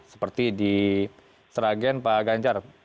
seperti di sragen pak ganjar